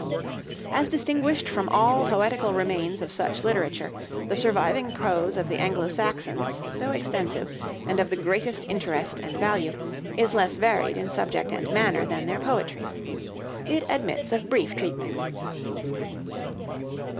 As distinguished from all poetical remains of such literature, the surviving prose of the Anglo Saxons, though extensive, and of the greatest interest and value, is less varied in subject and manner than their poetry. It admits of brief treatment.